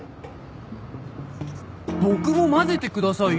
僕も交ぜてくださいよ。